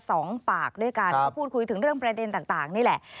สองปากด้วยกันก็พูดคุยถึงเรื่องประเด็นต่างต่างนี่แหละ